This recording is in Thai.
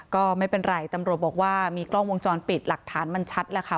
ก็ไม่เป็นไรตำรวจบอกว่ามีกล้องวงจรปิดหลักฐานมันชัดแล้วค่ะ